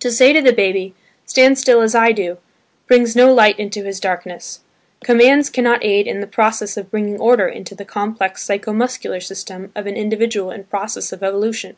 To say to the baby, "Stand still as I do," brings no light into his darkness; commands cannot aid in the process of bringing order into the complex psycho muscular system of an individual in process of evolution.